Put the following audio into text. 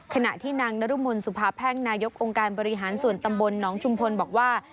ขณะที่นางนรมนสุภาแพ่งนายกองค์การบริหารส่วนตำบลหนองชุมพลบอกว่า